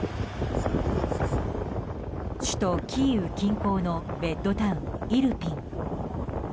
首都キーウ近郊のベッドタウン、イルピン。